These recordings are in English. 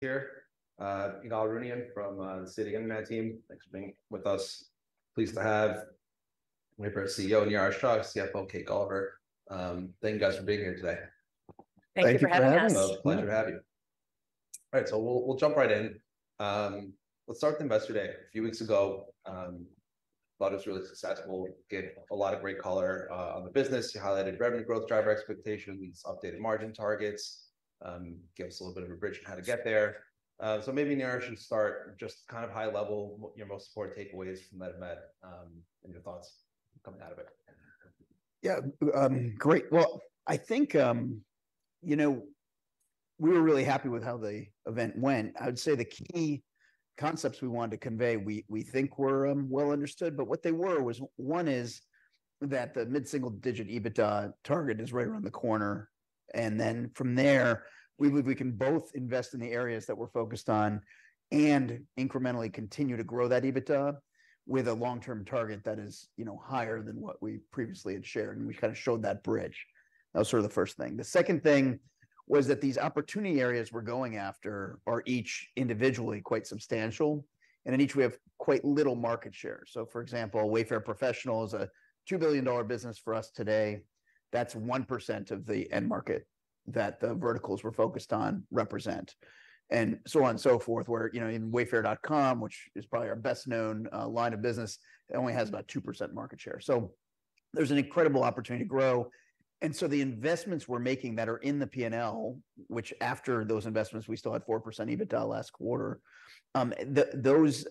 Here, Ygal Arounian from the Citi Investment team. Thanks for being with us. Pleased to have Wayfair CEO Niraj Shah, CFO Kate Gulliver. Thank you guys for being here today. Thank you for having us. Thank you for having us. Pleasure to have you. All right, so we'll jump right in. Let's start with Investor Day. A few weeks ago, I thought it was really successful. We got a lot of great color on the business. You highlighted revenue growth, driver expectations, updated margin targets, gave us a little bit of a bridge on how to get there. So maybe Niraj should start just kind of high level, your most important takeaways from that event, and your thoughts coming out of it. Yeah. Great. Well, I think, you know, we were really happy with how the event went. I would say the key concepts we wanted to convey, we think were well understood, but what they were was, one is that the mid-single digit EBITDA target is right around the corner, and then from there, we believe we can both invest in the areas that we're focused on and incrementally continue to grow that EBITDA with a long-term target that is, you know, higher than what we previously had shared, and we kind of showed that bridge. That was sort of the first thing. The second thing was that these opportunity areas we're going after are each individually quite substantial, and in each we have quite little market share. So, for example, Wayfair Professional is a $2 billion business for us today. That's 1% of the end market that the verticals we're focused on represent, and so on, so forth, where, you know, in Wayfair.com, which is probably our best-known line of business, it only has about 2% market share. So there's an incredible opportunity to grow. And so the investments we're making that are in the P&L, which after those investments, we still had 4% EBITDA last quarter. Those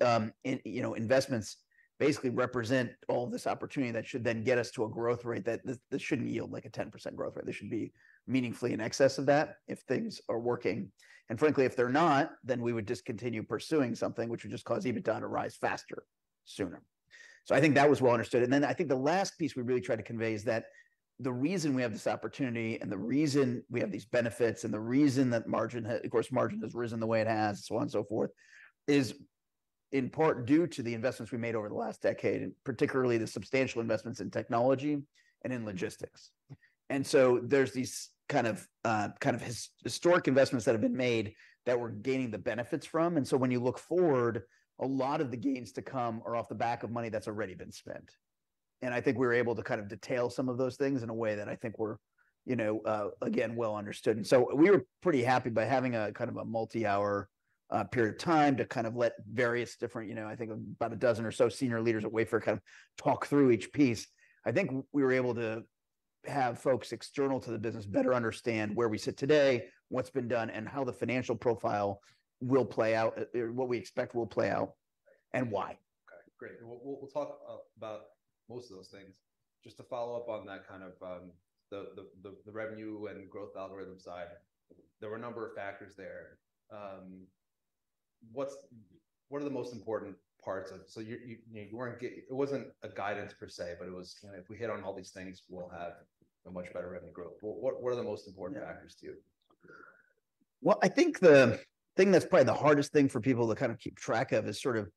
investments basically represent all this opportunity that should then get us to a growth rate that, this, this shouldn't yield, like, a 10% growth rate. This should be meaningfully in excess of that if things are working. And frankly, if they're not, then we would discontinue pursuing something, which would just cause EBITDA to rise faster, sooner. So I think that was well understood. And then I think the last piece we really tried to convey is that the reason we have this opportunity, and the reason we have these benefits, and the reason that margin has, of course, margin has risen the way it has, so on, so forth, is in part due to the investments we made over the last decade, and particularly the substantial investments in technology and in logistics. And so there's these kind of, kind of historic investments that have been made that we're gaining the benefits from. And so when you look forward, a lot of the gains to come are off the back of money that's already been spent. And I think we were able to kind of detail some of those things in a way that I think were, you know, again, well understood. And so we were pretty happy by having a kind of a multi-hour period of time to kind of let various different, you know, I think about a dozen or so senior leaders at Wayfair kind of talk through each piece. I think we were able to have folks external to the business better understand where we sit today, what's been done, and how the financial profile will play out... what we expect will play out and why. Okay, great. We'll talk about most of those things. Just to follow up on that kind of the revenue and growth algorithm side, there were a number of factors there. What's--what are the most important parts of... So you're, you weren't it wasn't a guidance per se, but it was, kind of, if we hit on all these things, we'll have a much better revenue growth. What, what are the most important factors to you? Well, I think the thing that's probably the hardest thing for people to kind of keep track of is sort of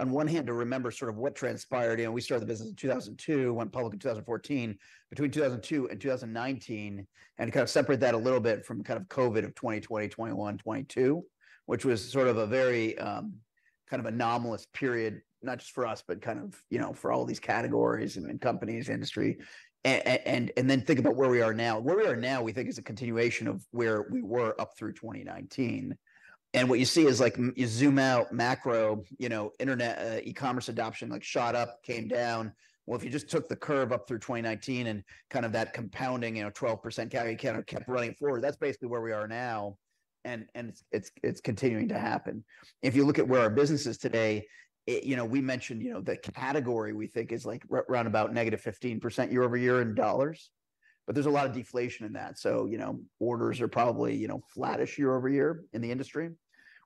on one hand, to remember sort of what transpired. You know, we started the business in 2002, went public in 2014. Between 2002 and 2019, and to kind of separate that a little bit from kind of COVID of 2020, 2021, 2022, which was sort of a very kind of anomalous period, not just for us, but kind of, you know, for all these categories and companies, industry. And then think about where we are now. Where we are now, we think, is a continuation of where we were up through 2019. And what you see is, like, you zoom out macro, you know, internet, e-commerce adoption, like, shot up, came down. Well, if you just took the curve up through 2019 and kind of that compounding, you know, 12% category kind of kept running forward, that's basically where we are now, and it's continuing to happen. If you look at where our business is today, it, you know, we mentioned, you know, the category we think is, like, around -15% year-over-year in dollars, but there's a lot of deflation in that. So, you know, orders are probably, you know, flattish year-over-year in the industry.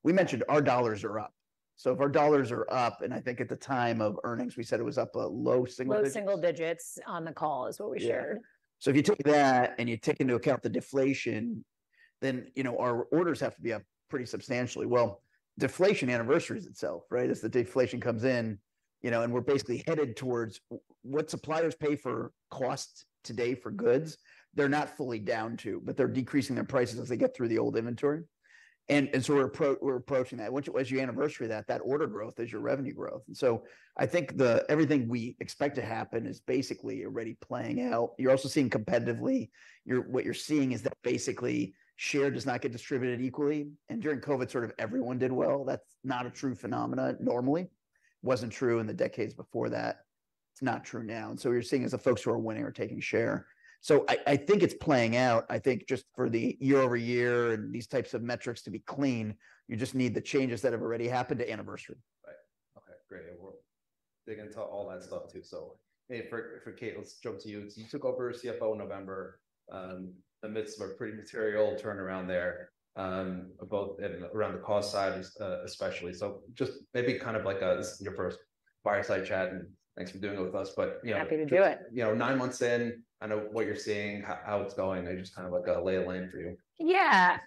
We mentioned our dollars are up. So if our dollars are up, and I think at the time of earnings, we said it was up low single digits- Low single digits on the call is what we shared. Yeah. So if you take that and you take into account the deflation, then, you know, our orders have to be up pretty substantially. Well, deflation anniversaries itself, right? As the deflation comes in, you know, and we're basically headed towards what suppliers pay for costs today for goods, they're not fully down to, but they're decreasing their prices as they get through the old inventory. And so we're approaching that. As you anniversary that, that order growth is your revenue growth. And so I think everything we expect to happen is basically already playing out. You're also seeing competitively. What you're seeing is that basically, share does not get distributed equally. And during COVID, sort of everyone did well. That's not a true phenomenon normally. Wasn't true in the decades before that. It's not true now. What you're seeing is the folks who are winning are taking share. I, I think it's playing out. I think just for the year-over-year and these types of metrics to be clean, you just need the changes that have already happened to anniversary. Right. Okay, great. We'll dig into all that stuff, too. So hey, for Kate, let's jump to you. You took over as CFO in November amidst a pretty material turnaround there, both in around the cost side, especially. So just maybe kind of like, this is your first fireside chat, and thanks for doing it with us. But you know- Happy to do it. You know, nine months in, I know what you're seeing, how it's going, and just kind of like a lay of the land for you. Yeah,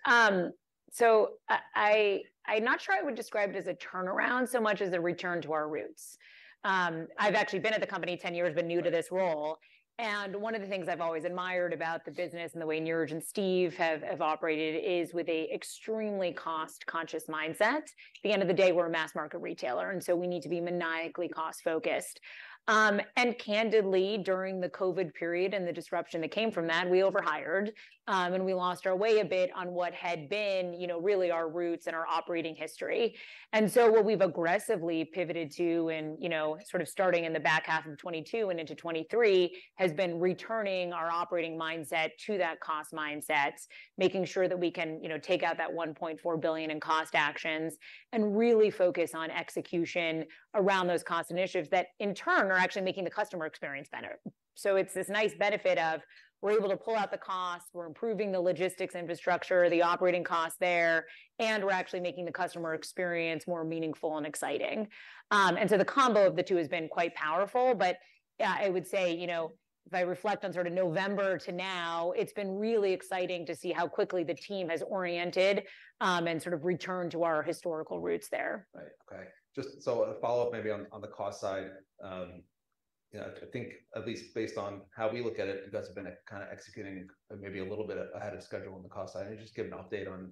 so I'm not sure I would describe it as a turnaround so much as a return to our roots. I've actually been at the company 10 years, but new to this role, and one of the things I've always admired about the business and the way Niraj and Steve have operated is with an extremely cost-conscious mindset. At the end of the day, we're a mass market retailer, and so we need to be maniacally cost focused. And candidly, during the COVID period and the disruption that came from that, we overhired, and we lost our way a bit on what had been, you know, really our roots and our operating history. And so what we've aggressively pivoted to and, you know, sort of starting in the back half of 2022 and into 2023, has been returning our operating mindset to that cost mindset, making sure that we can, you know, take out that $1.4 billion in cost actions and really focus on execution around those cost initiatives that, in turn, are actually making the customer experience better. So it's this nice benefit of we're able to pull out the cost, we're improving the logistics infrastructure, the operating costs there, and we're actually making the customer experience more meaningful and exciting. And so the combo of the two has been quite powerful, but, yeah, I would say, you know, if I reflect on sort of November to now, it's been really exciting to see how quickly the team has oriented, and sort of returned to our historical roots there. Right. Okay. Just so a follow-up maybe on the cost side, yeah, I think at least based on how we look at it, you guys have been kind of executing maybe a little bit ahead of schedule on the cost side. Can you just give an update on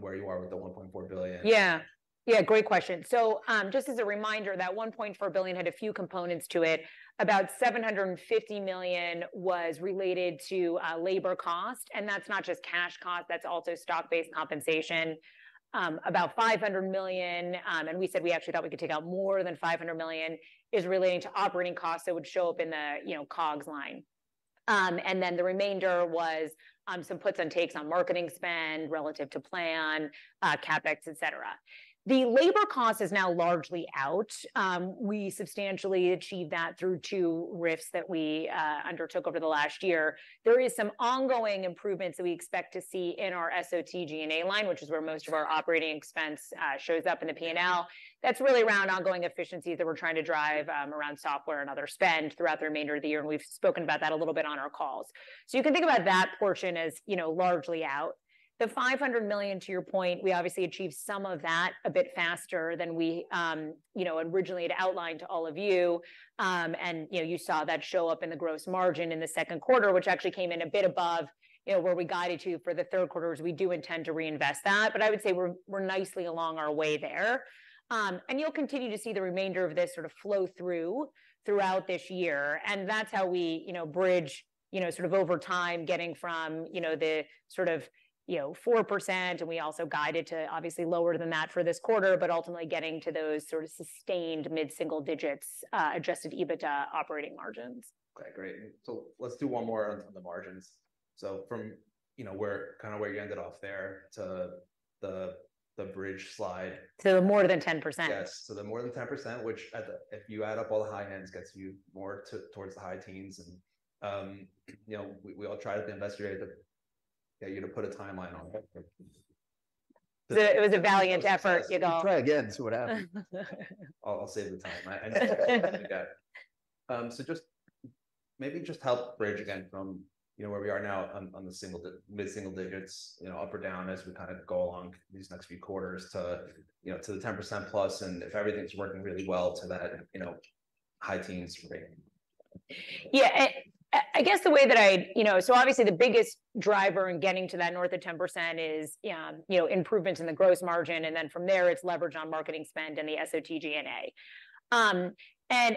where you are with the $1.4 billion? Yeah. Yeah, great question. So, just as a reminder, that $1.4 billion had a few components to it. About $750 million was related to, labor cost, and that's not just cash cost, that's also stock-based compensation. About $500 million, and we said we actually thought we could take out more than $500 million, is relating to operating costs that would show up in the, you know, COGS line. And then the remainder was, some puts and takes on marketing spend relative to plan, CapEx, et cetera. The labor cost is now largely out. We substantially achieved that through two RIFs that we, undertook over the last year. There is some ongoing improvements that we expect to see in our SOTG&A line, which is where most of our operating expense shows up in the P&L. That's really around ongoing efficiencies that we're trying to drive around software and other spend throughout the remainder of the year, and we've spoken about that a little bit on our calls. So you can think about that portion as, you know, largely out. The $500 million, to your point, we obviously achieved some of that a bit faster than we, you know, originally had outlined to all of you. And, you know, you saw that show up in the gross margin in the second quarter, which actually came in a bit above, you know, where we guided you for the third quarter, which we do intend to reinvest that. I would say we're nicely along our way there. And you'll continue to see the remainder of this sort of flow through throughout this year, and that's how we, you know, bridge, you know, sort of over time, getting from, you know, the sort of, you know, 4%, and we also guided to obviously lower than that for this quarter, but ultimately getting to those sort of sustained mid-single digits Adjusted EBITDA operating margins. Okay, great. So let's do one more on the margins. So from, you know, kind of where you ended off there to the bridge slide- To more than 10%. Yes, so the more than 10%, which at the—if you add up all the high ends, gets you more towards the high teens, and, you know, we all tried at the investor day to get you to put a timeline on it. It was a valiant effort, you know. We can try again, see what happens. I'll save the time. I know. So just maybe help bridge again from, you know, where we are now on the mid single digits, you know, up or down as we kind of go along these next few quarters to, you know, to the 10% +, and if everything's working really well to that, you know, high teens for me. Yeah. And I guess the way that I... You know, so obviously the biggest driver in getting to that north of 10% is, you know, improvements in the gross margin, and then from there, it's leverage on marketing spend and the SOTG&A.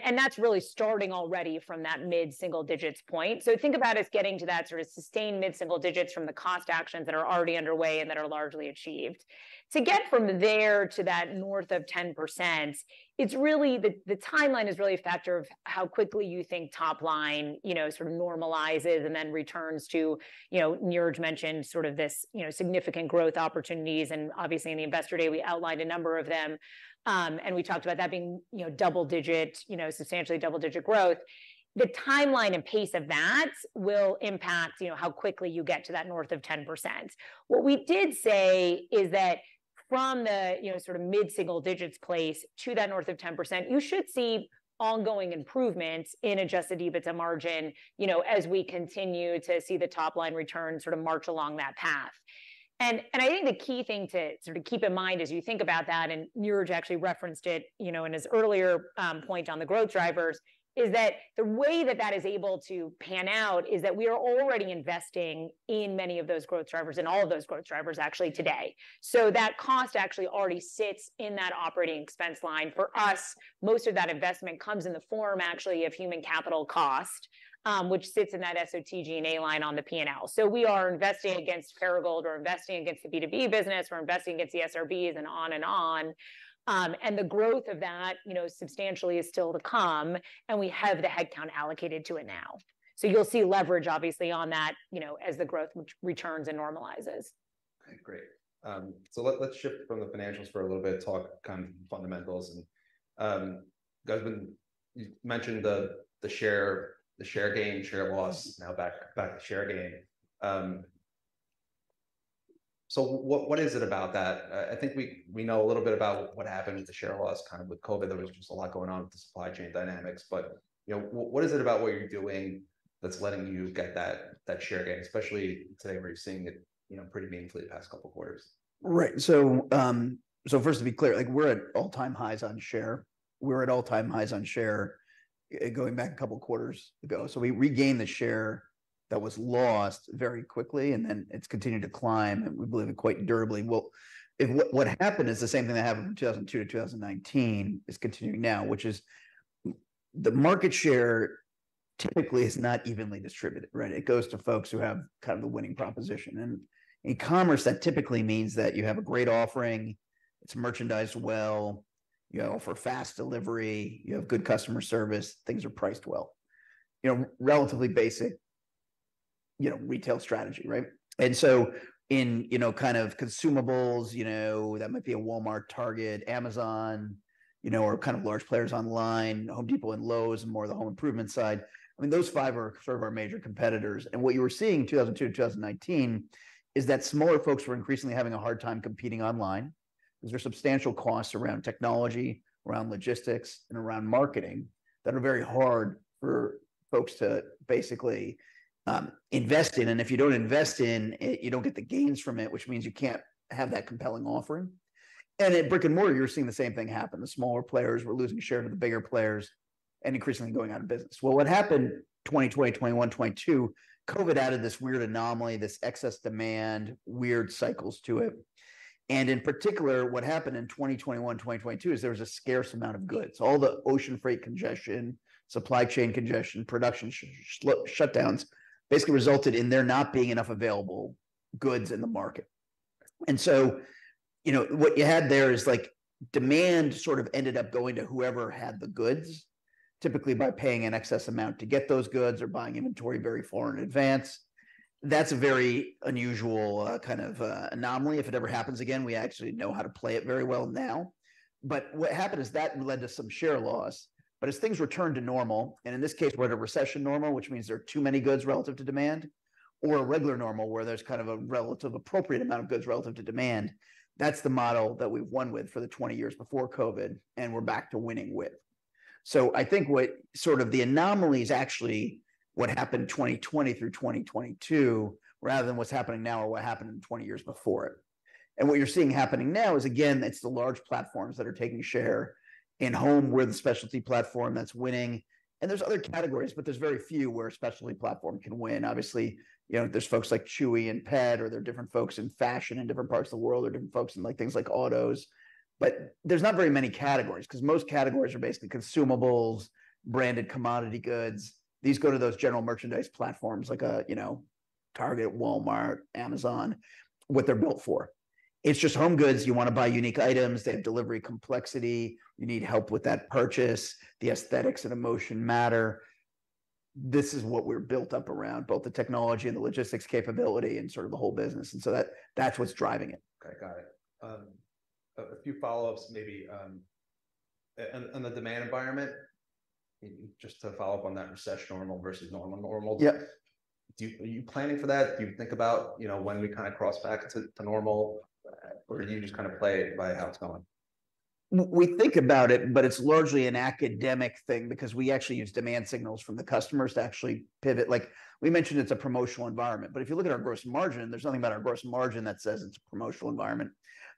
And that's really starting already from that mid-single digits point. So think about us getting to that sort of sustained mid-single digits from the cost actions that are already underway and that are largely achieved. To get from there to that north of 10%, it's really the, the timeline is really a factor of how quickly you think top line, you know, sort of normalizes and then returns to, you know, Niraj mentioned sort of this, you know, significant growth opportunities, and obviously, in the Investor Day, we outlined a number of them, and we talked about that being, you know, double-digit, you know, substantially double-digit growth. The timeline and pace of that will impact, you know, how quickly you get to that north of 10%. What we did say is that from the, you know, sort of mid-single digits place to that north of 10%, you should see ongoing improvements in Adjusted EBITDA margin, you know, as we continue to see the top line return sort of march along that path. And I think the key thing to sort of keep in mind as you think about that, and Niraj actually referenced it, you know, in his earlier point on the growth drivers, is that the way that that is able to pan out is that we are already investing in many of those growth drivers, in all of those growth drivers, actually today. So that cost actually already sits in that operating expense line. For us, most of that investment comes in the form, actually, of human capital cost, which sits in that SOTG&A line on the P&L. So we are investing against Perigold, we're investing against the B2B business, we're investing against the SRBs, and on and on. And the growth of that, you know, substantially is still to come, and we have the headcount allocated to it now. So you'll see leverage, obviously, on that, you know, as the growth returns and normalizes. Okay, great. So let's shift from the financials for a little bit and talk kind of fundamentals. And, Niraj, you mentioned the share gain, share loss, now back to share gain. So what is it about that? I think we know a little bit about what happened with the share loss, kind of with COVID, there was just a lot going on with the supply chain dynamics. But, you know, what is it about what you're doing that's letting you get that share gain, especially today, where you're seeing it, you know, pretty meaningfully the past couple quarters? Right. So, so first, to be clear, like we're at all-time highs on share. We're at all-time highs on share, going back a couple quarters ago. So we regained the share that was lost very quickly, and then it's continued to climb, and we believe quite durably. Well, if what, what happened is the same thing that happened from 2002-2019 is continuing now, which is the market share typically is not evenly distributed, right? It goes to folks who have kind of the winning proposition, and in commerce, that typically means that you have a great offering, it's merchandised well, you offer fast delivery, you have good customer service, things are priced well. You know, relatively basic, you know, retail strategy, right? And so in, you know, kind of consumables, you know, that might be a Walmart, Target, Amazon, you know, or kind of large players online. Home Depot and Lowe's are more the home improvement side. I mean, those five are sort of our major competitors. And what you were seeing in 2002-2019 is that smaller folks were increasingly having a hard time competing online. There's substantial costs around technology, around logistics, and around marketing that are very hard for folks to basically invest in, and if you don't invest in it, you don't get the gains from it, which means you can't have that compelling offering. And at brick-and-mortar, you're seeing the same thing happen. The smaller players were losing share to the bigger players and increasingly going out of business. Well, what happened in 2020, 2021, 2022, COVID added this weird anomaly, this excess demand, weird cycles to it. And in particular, what happened in 2021, 2022 is there was a scarce amount of goods. All the ocean freight congestion, supply chain congestion, production shutdowns basically resulted in there not being enough available goods in the market. And so, you know, what you had there is, like, demand sort of ended up going to whoever had the goods, typically by paying an excess amount to get those goods or buying inventory very far in advance. That's a very unusual kind of anomaly. If it ever happens again, we actually know how to play it very well now. But what happened is that led to some share loss. But as things returned to normal, and in this case, whether recession normal, which means there are too many goods relative to demand, or a regular normal, where there's kind of a relative appropriate amount of goods relative to demand, that's the model that we've won with for the 20 years before COVID, and we're back to winning with. So I think what sort of the anomaly is actually what happened in 2020 through 2022, rather than what's happening now or what happened in the 20 years before it. And what you're seeing happening now is, again, it's the large platforms that are taking share. In home, we're the specialty platform that's winning, and there's other categories, but there's very few where a specialty platform can win. Obviously, you know, there's folks like Chewy in pet, or there are different folks in fashion in different parts of the world, or different folks in, like, things like autos. But there's not very many categories 'cause most categories are basically consumables, branded commodity goods. These go to those general merchandise platforms like, you know, Target, Walmart, Amazon, what they're built for. It's just home goods, you want to buy unique items, they have delivery complexity, you need help with that purchase, the aesthetics and emotion matter. This is what we're built up around, both the technology and the logistics capability and sort of the whole business, and so that, that's what's driving it. Okay, got it. A few follow-ups, maybe, on the demand environment, just to follow up on that recession normal versus normal, normal- Yeah. Are you planning for that? Do you think about, you know, when we kind of cross back to normal, or do you just kind of play it by how it's going? We think about it, but it's largely an academic thing because we actually use demand signals from the customers to actually pivot. Like, we mentioned, it's a promotional environment, but if you look at our gross margin, there's nothing about our gross margin that says it's a promotional environment.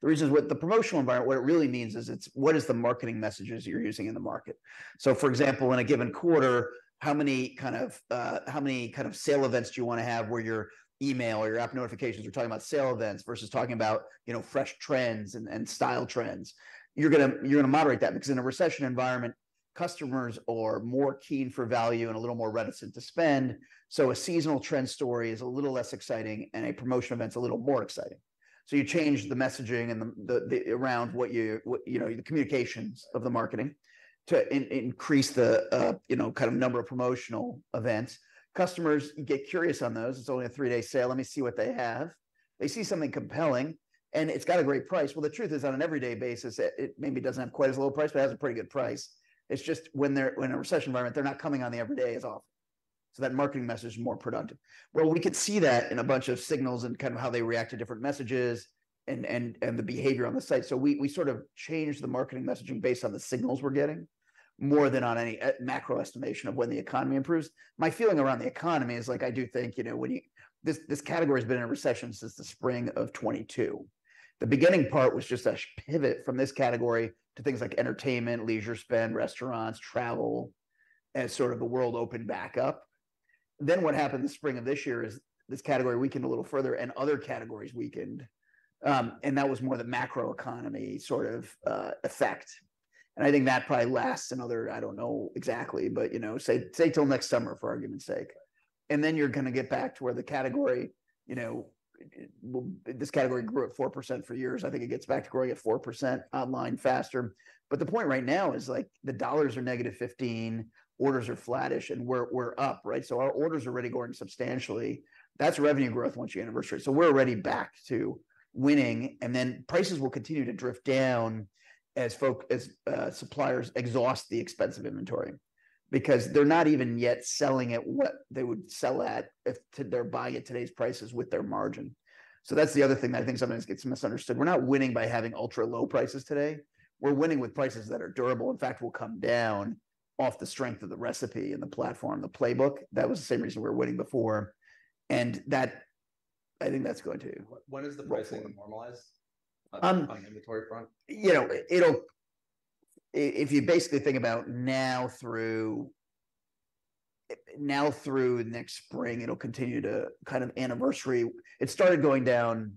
The reason is with the promotional environment, what it really means is it's what is the marketing messages you're using in the market? So for example, in a given quarter, how many kind of, how many kind of sale events do you wanna have where your email or your app notifications are talking about sale events versus talking about, you know, fresh trends and, and style trends? You're gonna, you're gonna moderate that because in a recession environment, customers are more keen for value and a little more reticent to spend. So a seasonal trend story is a little less exciting, and a promotion event is a little more exciting. So you change the messaging and the around what you... You know, the communications of the marketing to increase the, you know, kind of number of promotional events. Customers get curious on those. "It's only a three-day sale. Let me see what they have." They see something compelling, and it's got a great price. Well, the truth is, on an everyday basis, it maybe doesn't have quite as low a price, but it has a pretty good price. It's just when they're in a recession environment, they're not coming on the everyday as often. So that marketing message is more productive. Well, we could see that in a bunch of signals and kind of how they react to different messages and the behavior on the site. So we sort of change the marketing messaging based on the signals we're getting, more than on any macro estimation of when the economy improves. My feeling around the economy is, like, I do think, you know, when you... This category has been in a recession since the spring of 2022. The beginning part was just a pivot from this category to things like entertainment, leisure spend, restaurants, travel, as sort of the world opened back up. Then what happened the spring of this year is this category weakened a little further, and other categories weakened, and that was more the macroeconomy sort of effect. I think that probably lasts another, I don't know exactly, but, you know, say, say, till next summer, for argument's sake. Then you're gonna get back to where the category, you know, this category grew at 4% for years. I think it gets back to growing at 4% online faster. But the point right now is, like, the dollars are -15%, orders are flattish, and we're up, right? So our orders are already growing substantially. That's revenue growth once you anniversary it. So we're already back to winning, and then prices will continue to drift down as suppliers exhaust the expensive inventory because they're not even yet selling at what they would sell at if they're buying at today's prices with their margin. So that's the other thing that I think sometimes gets misunderstood. We're not winning by having ultra-low prices today. We're winning with prices that are durable, in fact, will come down off the strength of the recipe and the platform, the playbook. That was the same reason we were winning before. I think that's going to- When is the pricing gonna normalize? Um on inventory front? You know, it'll—if you basically think about now through, now through next spring, it'll continue to kind of anniversary. It started going down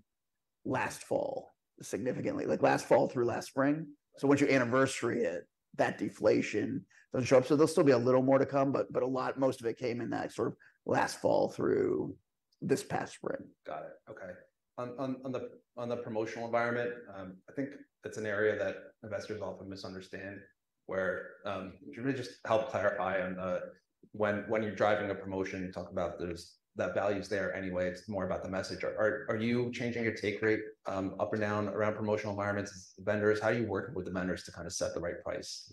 last fall, significantly, like last fall through last spring. Right. So once you anniversary it, that deflation doesn't show up. So there'll still be a little more to come, but a lot, most of it came in that sort of last fall through this past spring. Got it. Okay. On the promotional environment, I think that's an area that investors often misunderstand, where can you just help clarify on when you're driving a promotion, you talk about there's that value's there anyway, it's more about the message. Are you changing your take rate up or down around promotional environments, vendors? How are you working with the vendors to kind of set the right price?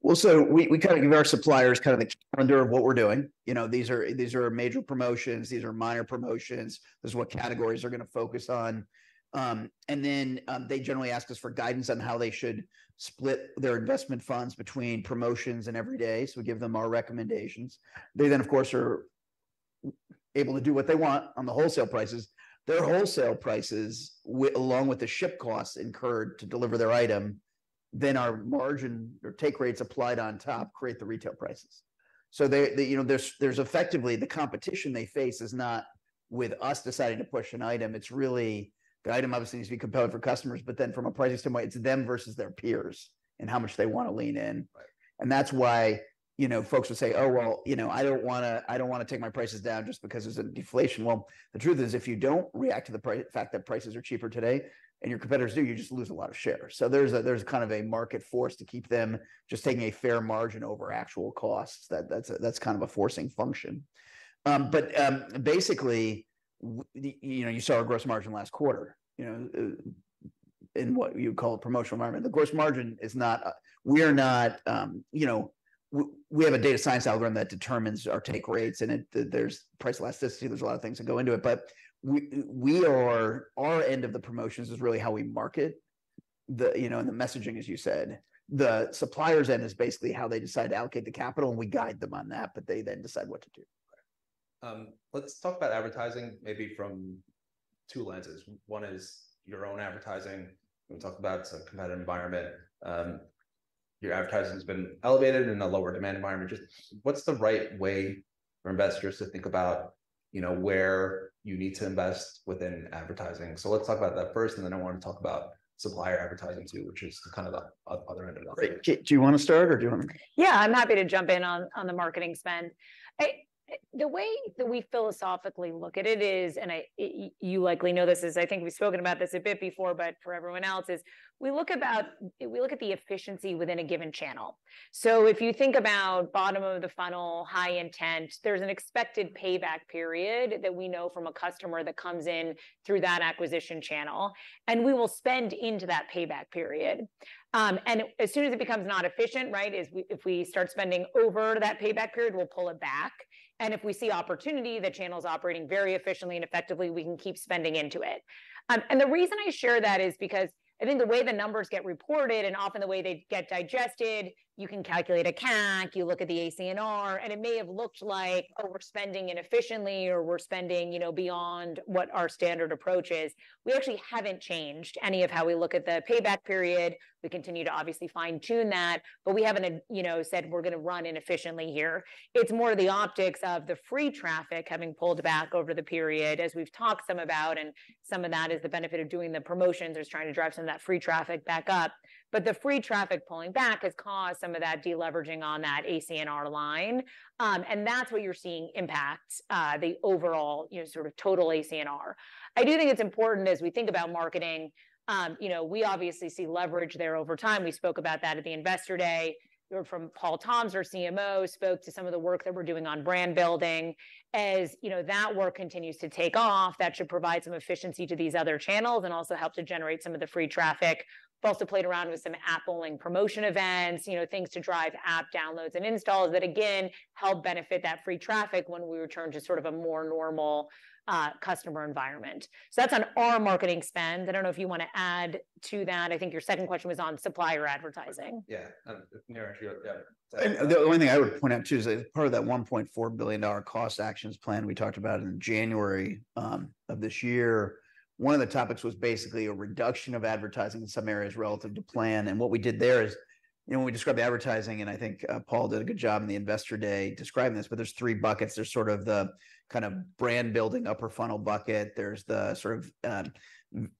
Well, so we kind of give our suppliers kind of the calendar of what we're doing. You know, these are, these are major promotions, these are minor promotions. This is what categories they're gonna focus on. And then, they generally ask us for guidance on how they should split their investment funds between promotions and every day. So we give them our recommendations. They then, of course, are able to do what they want on the wholesale prices. Their wholesale prices, along with the ship costs incurred to deliver their item, then our margin or take rates applied on top, create the retail prices. So they, you know, there's effectively the competition they face is not with us deciding to push an item, it's really...The item obviously needs to be compelling for customers, but then from a pricing standpoint, it's them versus their peers and how much they want to lean in. Right. And that's why, you know, folks would say: "Oh, well, you know, I don't want to, I don't want to take my prices down just because there's a deflation." Well, the truth is, if you don't react to the price fact that prices are cheaper today, and your competitors do, you just lose a lot of share. So there's kind of a market force to keep them just taking a fair margin over actual costs. That's kind of a forcing function. But basically, you know, you saw our gross margin last quarter, you know, in what you'd call a promotional environment. The gross margin is not. We're not, you know, we have a data science algorithm that determines our take rates, and it, there's price elasticity, there's a lot of things that go into it. But we are, our end of the promotions is really how we market the, you know, and the messaging, as you said. The supplier's end is basically how they decide to allocate the capital, and we guide them on that, but they then decide what to do. Right. Let's talk about advertising, maybe from two lenses. One is your own advertising. We talked about it's a competitive environment. Your advertising's been elevated in a lower demand environment. Just what's the right way for investors to think about, you know, where you need to invest within advertising? So let's talk about that first, and then I want to talk about supplier advertising, too, which is kind of the other end of the- Great. Do you want to start, or do you want me? Yeah, I'm happy to jump in on, on the marketing spend. I, the way that we philosophically look at it is, and I, you likely know this, as I think we've spoken about this a bit before, but for everyone else, is we look at the efficiency within a given channel. So if you think about bottom of the funnel, high intent, there's an expected payback period that we know from a customer that comes in through that acquisition channel, and we will spend into that payback period. And as soon as it becomes not efficient, if we start spending over that payback period, we'll pull it back. And if we see opportunity, the channel's operating very efficiently and effectively, we can keep spending into it. And the reason I share that is because I think the way the numbers get reported, and often the way they get digested, you can calculate a CAC, you look at the ACNR, and it may have looked like, oh, we're spending inefficiently, or we're spending, you know, beyond what our standard approach is. We actually haven't changed any of how we look at the payback period. We continue to obviously fine-tune that, but we haven't, you know, said we're gonna run inefficiently here. It's more the optics of the free traffic having pulled back over the period, as we've talked some about, and some of that is the benefit of doing the promotions or trying to drive some of that free traffic back up. But the free traffic pulling back has caused some of that deleveraging on that ACNR line. And that's what you're seeing impact the overall, you know, sort of total ACNR. I do think it's important as we think about marketing, you know, we obviously see leverage there over time. We spoke about that at the Investor Day. You heard from Paul Toms, our CMO, spoke to some of the work that we're doing on brand building. As you know, that work continues to take off, that should provide some efficiency to these other channels and also help to generate some of the free traffic. We've also played around with some app-only promotion events, you know, things to drive app downloads and installs that, again, help benefit that free traffic when we return to sort of a more normal customer environment. So that's on our marketing spend. I don't know if you want to add to that.I think your second question was on supplier advertising. Yeah, actually, yeah. The only thing I would point out, too, is that part of that $1.4 billion cost actions plan we talked about in January of this year, one of the topics was basically a reduction of advertising in some areas relative to plan. What we did there is, you know, when we describe advertising, and I think Paul did a good job in the Investor Day describing this, but there's three buckets. There's sort of the kind of brand-building, upper-funnel bucket. There's the sort of,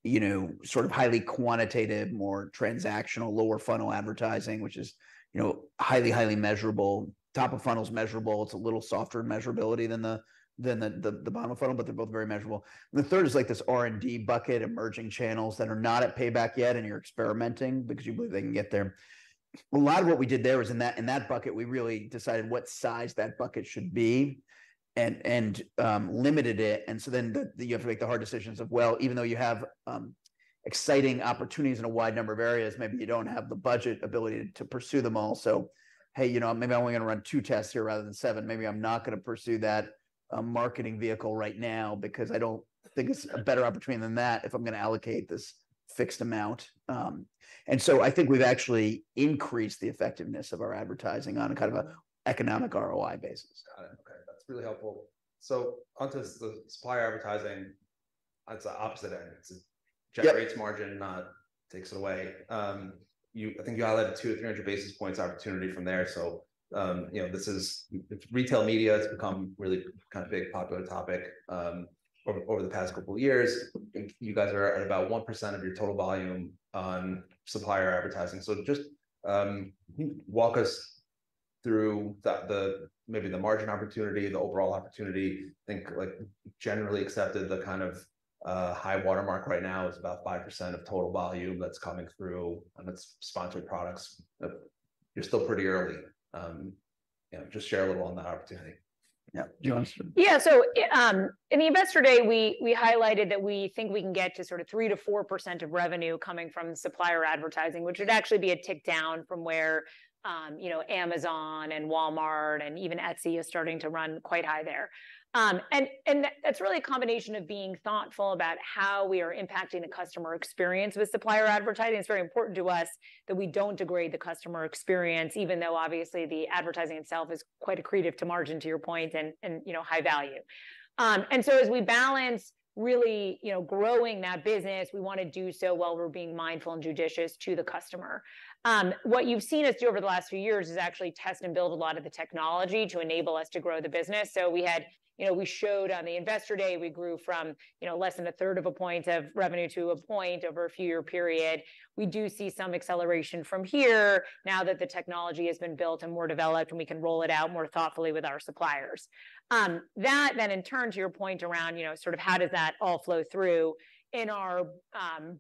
you know, sort of highly quantitative, more transactional, lower-funnel advertising, which is, you know, highly, highly measurable. Top of funnel is measurable. It's a little softer measurability than the bottom funnel, but they're both very measurable. And the third is like this R&D bucket, emerging channels that are not at payback yet, and you're experimenting because you believe they can get there. A lot of what we did there was in that, in that bucket; we really decided what size that bucket should be and, and, limited it. And so then, you have to make the hard decisions of, well, even though you have, exciting opportunities in a wide number of areas, maybe you don't have the budget ability to pursue them all. So, "Hey, you know, maybe I'm only gonna run two tests here rather than seven. Maybe I'm not gonna pursue that, marketing vehicle right now because I don't think it's a better opportunity than that if I'm gonna allocate this fixed amount." And so I think we've actually increased the effectiveness of our advertising on a kind of a economic ROI basis. Got it. Okay, that's really helpful. So onto the supplier advertising... It's the opposite end. It's Yep. Generates margin, not takes it away. I think you highlighted 200-300 basis points opportunity from there. So, you know, it's retail media, it's become really kind of big popular topic over the past couple of years. You guys are at about 1% of your total volume on supplier advertising. So just walk us through the margin opportunity, the overall opportunity. I think, like, generally accepted, the kind of high water mark right now is about 5% of total volume that's coming through, and it's sponsored products. You're still pretty early. You know, just share a little on that opportunity. Yeah. Do you want to. Yeah. So, in the Investor Day, we highlighted that we think we can get to sort of 3%-4% of revenue coming from supplier advertising, which would actually be a tick down from where, you know, Amazon and Walmart and even Etsy is starting to run quite high there. And that's really a combination of being thoughtful about how we are impacting the customer experience with supplier advertising. It's very important to us that we don't degrade the customer experience, even though obviously the advertising itself is quite accretive to margin, to your point, and, you know, high value. And so as we balance really, you know, growing that business, we want to do so while we're being mindful and judicious to the customer. What you've seen us do over the last few years is actually test and build a lot of the technology to enable us to grow the business. So you know, we showed on the Investor Day, we grew from, you know, less than a 1/3 of a point of revenue to a point over a few-year period. We do see some acceleration from here now that the technology has been built and more developed, and we can roll it out more thoughtfully with our suppliers. That then in turn, to your point around, you know, sort of how does that all flow through? In our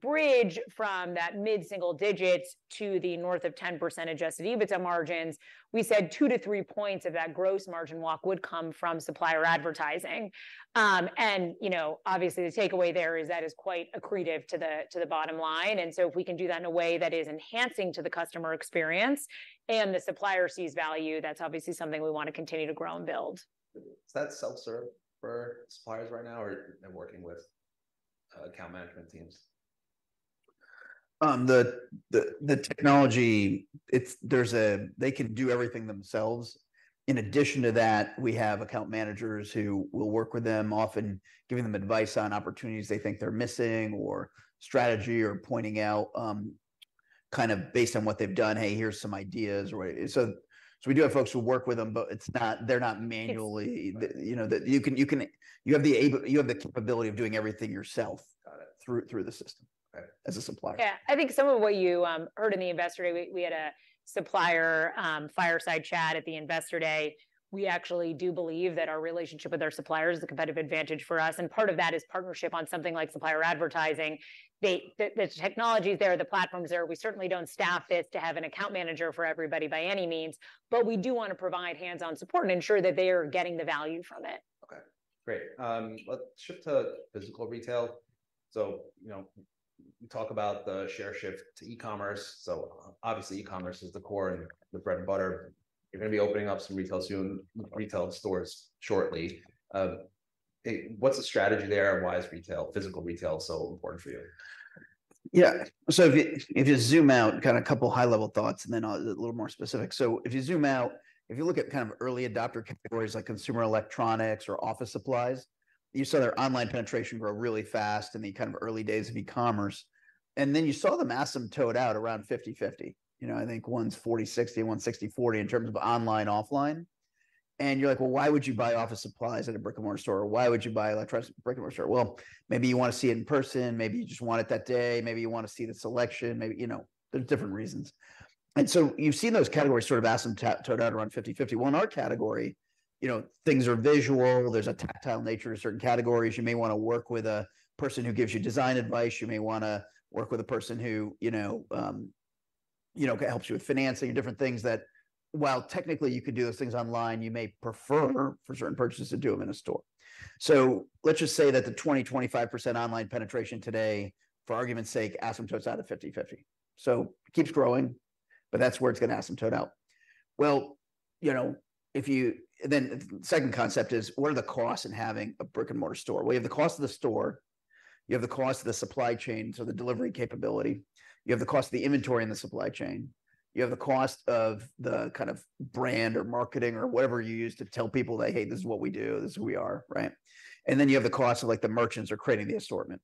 bridge from that mid-single digits to the north of 10% Adjusted EBITDA margins, we said 2-3 points of that gross margin walk would come from supplier advertising. You know, obviously, the takeaway there is that it is quite accretive to the bottom line. So if we can do that in a way that is enhancing to the customer experience and the supplier sees value, that's obviously something we want to continue to grow and build. Is that self-serve for suppliers right now or they're working with, account management teams? The technology, it's—there's—they can do everything themselves. In addition to that, we have account managers who will work with them, often giving them advice on opportunities they think they're missing, or strategy, or pointing out, kind of based on what they've done, "Hey, here's some ideas," or. So, so we do have folks who work with them, but it's not—they're not manually— It's- You know, that you can have the capability of doing everything yourself- Got it... through the system- Got it... as a supplier. Yeah. I think some of what you heard in the Investor Day, we had a supplier fireside chat at the Investor Day. We actually do believe that our relationship with our suppliers is a competitive advantage for us, and part of that is partnership on something like supplier advertising. The technology is there, the platform's there. We certainly don't staff it to have an account manager for everybody by any means, but we do want to provide hands-on support and ensure that they are getting the value from it. Okay, great. Let's shift to physical retail. So, you know, we talk about the share shift to e-commerce. So obviously, e-commerce is the core and the bread and butter. You're gonna be opening up some retail soon—retail stores shortly. What's the strategy there, and why is retail, physical retail so important for you? Yeah. So if you, if you zoom out, kind of a couple high-level thoughts, and then I'll get a little more specific. So if you zoom out, if you look at kind of early adopter categories like consumer electronics or office supplies, you saw their online penetration grow really fast in the kind of early days of e-commerce. And then you saw them asymptote out around 50/50. You know, I think one's 40/60, one's 60/40 in terms of online, offline. And you're like, well, why would you buy office supplies at a brick-and-mortar store? Or why would you buy electronics at a brick-and-mortar store? Well, maybe you want to see it in person, maybe you just want it that day, maybe you want to see the selection, maybe... You know, there's different reasons. And so you've seen those categories sort of asymptote out around 50/50.Well, in our category, you know, things are visual. There's a tactile nature to certain categories. You may wanna work with a person who gives you design advice. You may wanna work with a person who, you know, helps you with financing and different things that, while technically you could do those things online, you may prefer for certain purchases to do them in a store. So let's just say that the 20%-25% online penetration today, for argument's sake, asymptotes out at 50/50. So it keeps growing, but that's where it's gonna asymptote out. Well, you know, then the second concept is: What are the costs in having a brick-and-mortar store? Well, you have the cost of the store, you have the cost of the supply chain, so the delivery capability, you have the cost of the inventory and the supply chain, you have the cost of the kind of brand or marketing or whatever you use to tell people that, "Hey, this is what we do, this is who we are," right? And then you have the cost of, like, the merchants who are creating the assortment.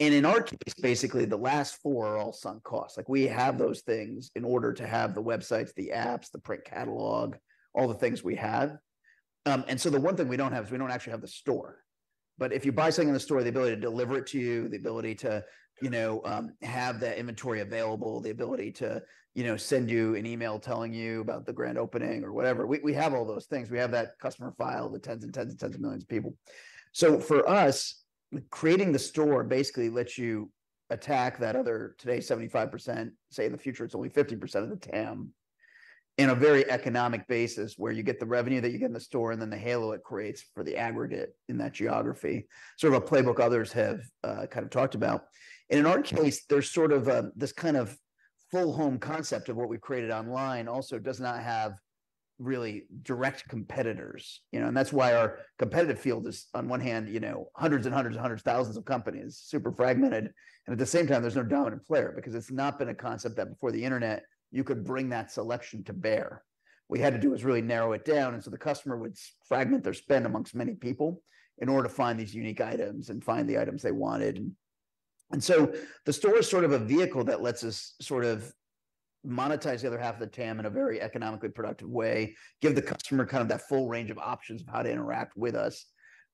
And in our case, basically, the last four are all sunk costs. Like, we have those things in order to have the websites, the apps, the print catalog, all the things we have. And so the one thing we don't have is we don't actually have the store. But if you buy something in the store, the ability to deliver it to you, the ability to, you know, have that inventory available, the ability to, you know, send you an email telling you about the grand opening or whatever, we have all those things. We have that customer file, the tens and tens and tens of millions of people. So for us, creating the store basically lets you attack that other, today, 75%, say in the future, it's only 50% of the TAM, in a very economic basis, where you get the revenue that you get in the store, and then the halo it creates for the aggregate in that geography. Sort of a playbook others have kind of talked about.In our case, there's sort of this kind of full home concept of what we've created online also does not have really direct competitors, you know. And that's why our competitive field is, on one hand, you know, hundreds and hundreds and hundreds, thousands of companies, super fragmented, and at the same time, there's no dominant player because it's not been a concept that before the Internet, you could bring that selection to bear. We had to do is really narrow it down, and so the customer would fragment their spend amongst many people in order to find these unique items and find the items they wanted. And-... And so the store is sort of a vehicle that lets us sort of monetize the other half of the TAM in a very economically productive way, give the customer kind of that full range of options of how to interact with us,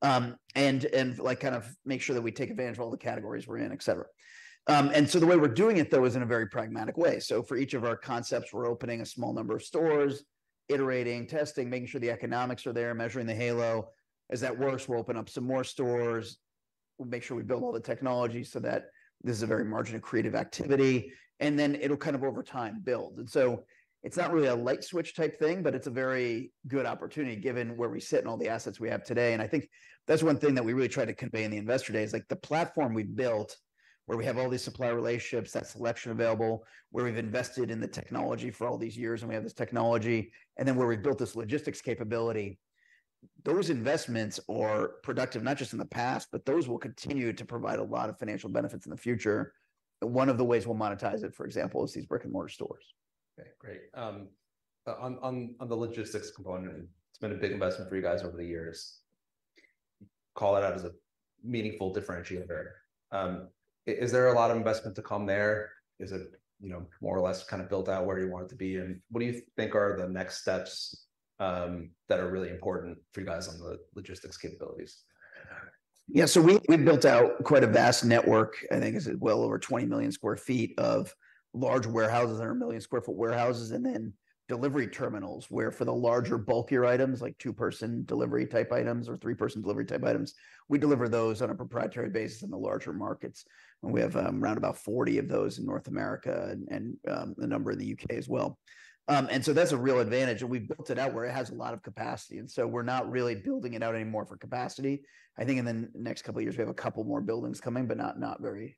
and like kind of make sure that we take advantage of all the categories we're in, et cetera. And so the way we're doing it, though, is in a very pragmatic way. So for each of our concepts, we're opening a small number of stores, iterating, testing, making sure the economics are there, measuring the halo. As that works, we'll open up some more stores. We'll make sure we build all the technology so that this is a very margin-accretive activity, and then it'll kind of over time build. And so it's not really a light switch type thing, but it's a very good opportunity, given where we sit and all the assets we have today. And I think that's one thing that we really try to convey in the Investor Day is like the platform we've built, where we have all these supplier relationships, that selection available, where we've invested in the technology for all these years, and we have this technology, and then where we've built this logistics capability. Those investments are productive, not just in the past, but those will continue to provide a lot of financial benefits in the future. And one of the ways we'll monetize it, for example, is these brick-and-mortar stores. Okay, great. On the logistics component, it's been a big investment for you guys over the years. Call it out as a meaningful differentiator. Is there a lot of investment to come there? Is it, you know, more or less kind of built out where you want it to be? And what do you think are the next steps that are really important for you guys on the logistics capabilities? Yeah, so we, we've built out quite a vast network. I think it's well over 20 million sq ft of large warehouses that are 1 million sq ft warehouses, and then delivery terminals, where for the larger, bulkier items, like two-person delivery type items or three-person delivery type items, we deliver those on a proprietary basis in the larger markets. And we have around about 40 of those in North America and a number in the U.K. as well. And so that's a real advantage, and we've built it out where it has a lot of capacity, and so we're not really building it out any more for capacity. I think in the next couple of years, we have a couple more buildings coming, but not very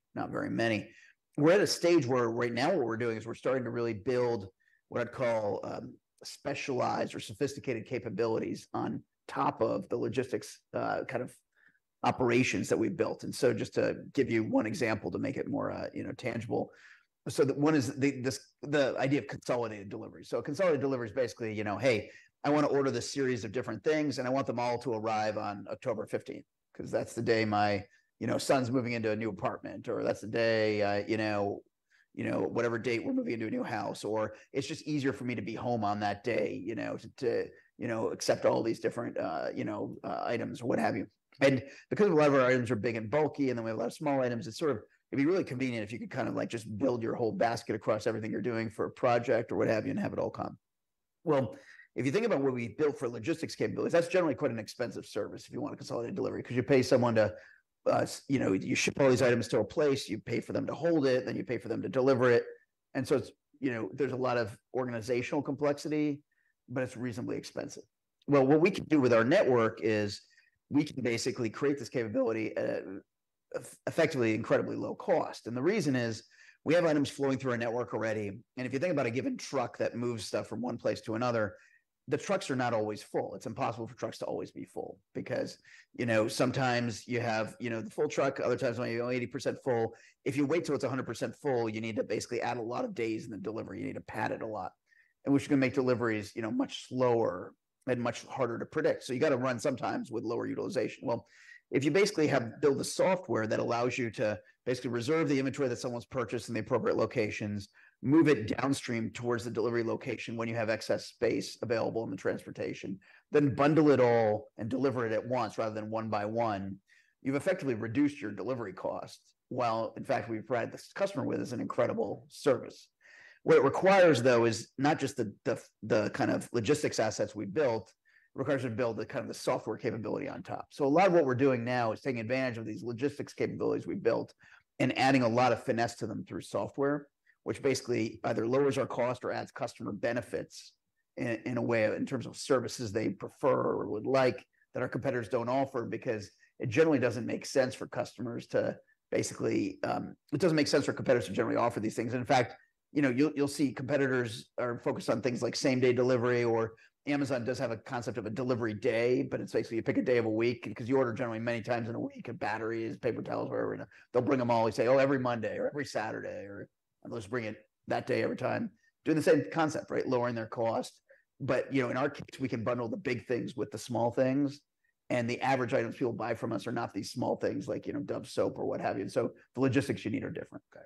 many. We're at a stage where right now what we're doing is we're starting to really build what I'd call specialized or sophisticated capabilities on top of the logistics kind of operations that we've built. And so just to give you one example to make it more you know tangible. So one is the idea of consolidated delivery. So consolidated delivery is basically, you know, "Hey, I want to order this series of different things, and I want them all to arrive on October fifteenth, 'cause that's the day my, you know, son's moving into a new apartment," or, "That's the day, you know, you know, whatever date we're moving into a new house," or, "It's just easier for me to be home on that day, you know, to you know, accept all these different, you know, items," or what have you. And because a lot of our items are big and bulky, and then we have a lot of small items, it's sort of, it'd be really convenient if you could kind of like just build your whole basket across everything you're doing for a project or what have you, and have it all come. Well, if you think about what we built for logistics capabilities, that's generally quite an expensive service if you want a consolidated delivery, 'cause you pay someone to, you know, you ship all these items to a place, you pay for them to hold it, then you pay for them to deliver it. And so it's, you know, there's a lot of organizational complexity, but it's reasonably expensive. Well, what we can do with our network is we can basically create this capability at effectively, incredibly low cost. And the reason is, we have items flowing through our network already, and if you think about a given truck that moves stuff from one place to another, the trucks are not always full. It's impossible for trucks to always be full because, you know, sometimes you have, you know, the full truck, other times only 80% full. If you wait till it's 100% full, you need to basically add a lot of days in the delivery. You need to pad it a lot, and which can make deliveries, you know, much slower and much harder to predict, so you gotta run sometimes with lower utilization. Well, if you basically build a software that allows you to basically reserve the inventory that someone's purchased in the appropriate locations, move it downstream towards the delivery location when you have excess space available in the transportation, then bundle it all and deliver it at once, rather than one by one, you've effectively reduced your delivery cost. While, in fact, we've provided this customer with is an incredible service. What it requires, though, is not just the kind of logistics assets we built, it requires you to build the kind of the software capability on top. So a lot of what we're doing now is taking advantage of these logistics capabilities we built and adding a lot of finesse to them through software, which basically either lowers our cost or adds customer benefits in a way in terms of services they prefer or would like, that our competitors don't offer, because it generally doesn't make sense for customers to basically. It doesn't make sense for competitors to generally offer these things. And in fact, you know, you'll see competitors are focused on things like same-day delivery, or Amazon does have a concept of a delivery day, but it's basically you pick a day of a week, because you order generally many times in a week, batteries, paper towels, whatever. They'll bring them all, we say, "Oh, every Monday or every Saturday," or, "Let's bring it that day every time." Doing the same concept, right? Lowering their cost. But, you know, in our case, we can bundle the big things with the small things, and the average items you'll buy from us are not these small things like, you know, Dove soap or what have you. So the logistics you need are different. Okay.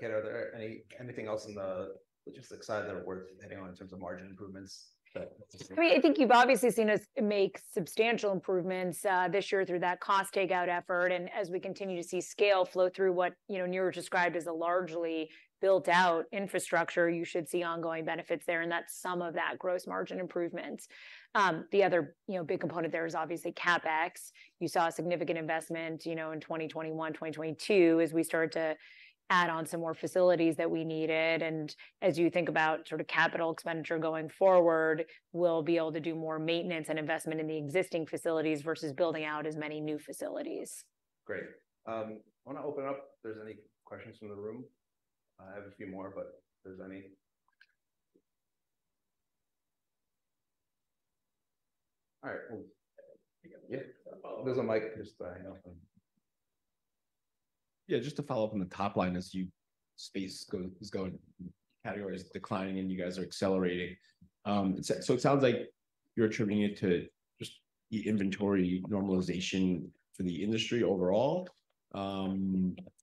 Kate, are there anything else in the logistics side that are worth hitting on in terms of margin improvements that- I mean, I think you've obviously seen us make substantial improvements this year through that cost takeout effort. And as we continue to see scale flow through what, you know, Niraj described as a largely built-out infrastructure, you should see ongoing benefits there, and that's some of that gross margin improvements. The other, you know, big component there is obviously CapEx. You saw a significant investment, you know, in 2021, 2022, as we started to add on some more facilities that we needed. And as you think about sort of capital expenditure going forward, we'll be able to do more maintenance and investment in the existing facilities versus building out as many new facilities. Great. I want to open up if there's any questions from the room. I have a few more, but if there's any? All right, well... Yeah, there's a mic just by... Yeah, just to follow up on the top line, as you say, it's going, category is declining, and you guys are accelerating. So, it sounds like-... you're attributing it to just the inventory normalization for the industry overall?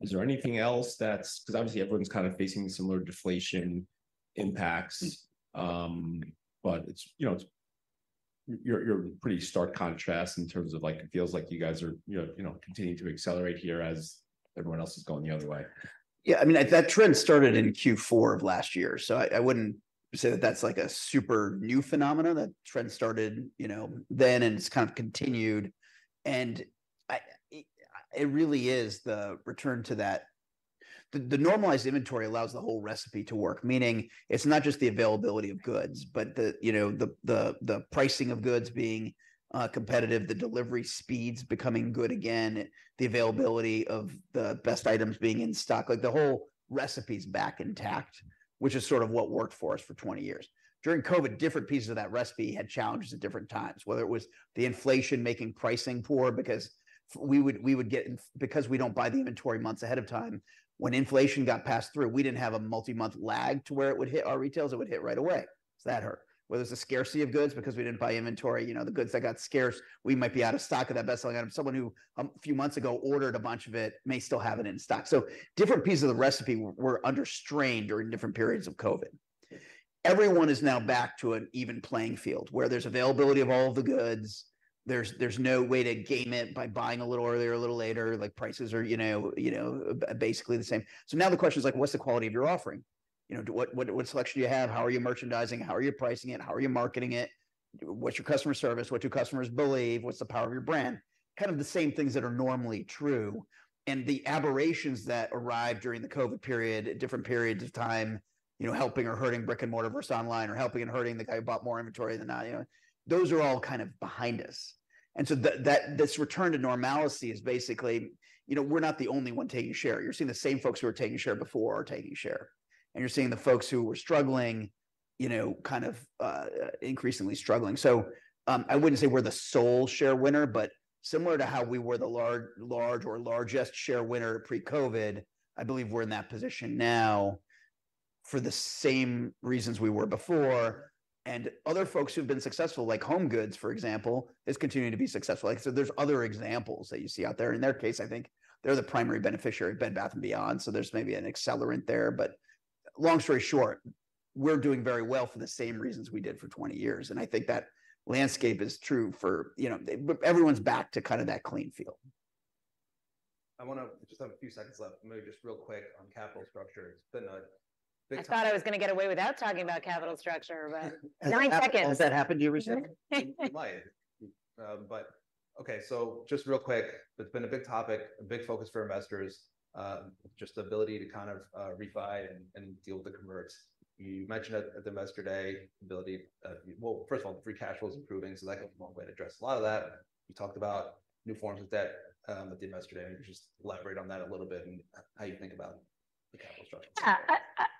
Is there anything else that's—'cause obviously, everyone's kind of facing similar deflation impacts. But it's, you know, it's you're, you're a pretty stark contrast in terms of, like, it feels like you guys are, you know, you know, continuing to accelerate here as everyone else is going the other way. Yeah, I mean, that trend started in Q4 of last year, so I wouldn't say that that's, like, a super new phenomenon. That trend started, you know, then, and it's kind of continued, and it really is the return to that... The normalized inventory allows the whole recipe to work. Meaning, it's not just the availability of goods, but the, you know, the pricing of goods being competitive, the delivery speeds becoming good again, the availability of the best items being in stock. Like, the whole recipe's back intact, which is sort of what worked for us for 20 years. During COVID, different pieces of that recipe had challenges at different times, whether it was the inflation making pricing poor because we don't buy the inventory months ahead of time, when inflation got passed through, we didn't have a multi-month lag to where it would hit our retailers. It would hit right away, so that hurt. Whether it's a scarcity of goods because we didn't buy inventory, you know, the goods that got scarce, we might be out of stock of that bestselling item. Someone who a few months ago ordered a bunch of it may still have it in stock. So different pieces of the recipe were under strain during different periods of COVID. Everyone is now back to an even playing field, where there's availability of all of the goods. There's no way to game it by buying a little earlier or a little later. Like, prices are, you know, basically the same. So now the question is, like, what's the quality of your offering? You know, what selection do you have? How are you merchandising? How are you pricing it? How are you marketing it? What's your customer service? What do customers believe? What's the power of your brand? Kind of the same things that are normally true, and the aberrations that arrived during the COVID period at different periods of time, you know, helping or hurting brick-and-mortar versus online, or helping and hurting the guy who bought more inventory than I... You know, those are all kind of behind us. And so this return to normalcy is basically, you know, we're not the only one taking share. You're seeing the same folks who were taking share before are taking share, and you're seeing the folks who were struggling, you know, kind of, increasingly struggling. So, I wouldn't say we're the sole share winner, but similar to how we were the larg- large or largest share winner pre-COVID, I believe we're in that position now for the same reasons we were before. And other folks who've been successful, like HomeGoods, for example, is continuing to be successful. Like I said, there's other examples that you see out there. In their case, I think they're the primary beneficiary of Bed Bath & Beyond, so there's maybe an accelerant there. But long story short, we're doing very well for the same reasons we did for 20 years, and I think that landscape is true for... You know, everyone's back to kind of that clean field. I want to just have a few seconds left. Maybe just real quick on capital structure. It's been a big- I thought I was going to get away without talking about capital structure, but 9 seconds. Has that happened to you recently? It might. But okay, so just real quick, it's been a big topic, a big focus for investors. Just the ability to kind of refi and deal with the converts. You mentioned it at the Investor Day ability. Well, first of all, free cash flow is improving, so that goes a long way to address a lot of that. You talked about new forms of debt at the Investor Day. Just elaborate on that a little bit, and how you think about the capital structure.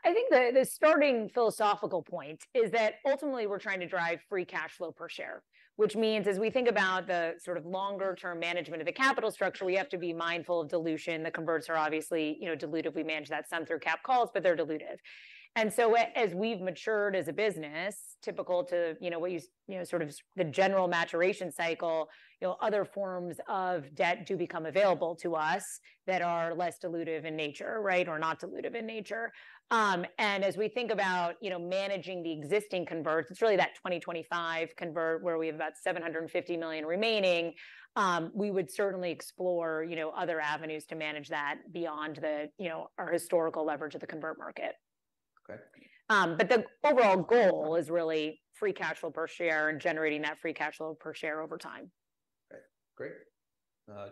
I think the starting philosophical point is that ultimately we're trying to drive free cash flow per share, which means, as we think about the sort of longer term management of the capital structure, we have to be mindful of dilution. The converts are obviously, you know, dilutive. We manage that some through capped calls, but they're dilutive. And so as we've matured as a business, typical to, you know, what you know, sort of the general maturation cycle, you know, other forms of debt do become available to us that are less dilutive in nature, right? Or not dilutive in nature. And as we think about, you know, managing the existing converts, it's really that 2025 convert where we have about $750 million remaining. We would certainly explore, you know, other avenues to manage that beyond the, you know, our historical leverage of the convert market. Okay. The overall goal is really free cash flow per share and generating that free cash flow per share over time. Okay, great.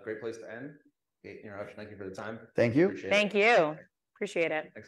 Great place to end. Okay, Niraj, thank you for the time. Thank you. Appreciate it. Thank you. Appreciate it. Thanks, guys.